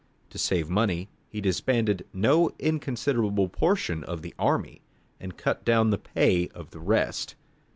To save money he disbanded no inconsiderable portion of the army, and cut down the pay of the rest.